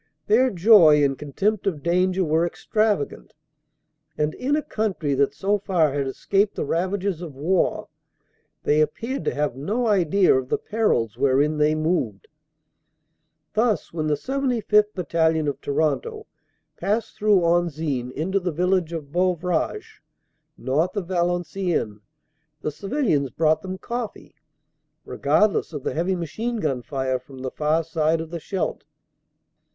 Their joy and contempt of danger were extravagant, and, in a country that so far had escaped the ravages of war, they appeared to have no idea of the perils wherein they moved. Thus, when the 75th. Battalion, of Toronto, passed through Anzin into the village of Beuvrages north of Valen ciennes, the civilians brought them coffee, regardless of the heavy machine gun fire from the far side of the Scheldt.